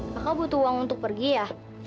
maka butuh uang untuk pergi ya